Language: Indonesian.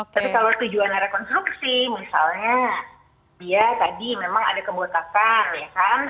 tapi kalau tujuan rekonstruksi misalnya dia tadi memang ada kebotakan ya kan